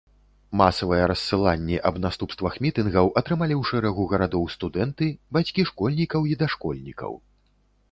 Масавыя рассыланні аб наступствах мітынгаў атрымалі ў шэрагу гарадоў студэнты, бацькі школьнікаў і дашкольнікаў.